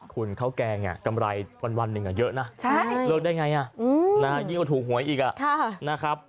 คุณข้าวแกงเนี่ยกำไรวันนึงเยอะนะเลิกได้ไงอ่ะยิ่งก็ถูกหวยอีกอ่ะ